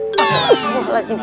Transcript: wiss malah cinta